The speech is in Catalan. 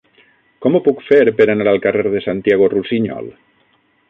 Com ho puc fer per anar al carrer de Santiago Rusiñol?